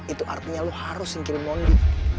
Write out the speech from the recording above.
itu artinya lo harus singkir mondi